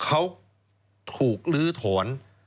เขาถูกลื้อถอน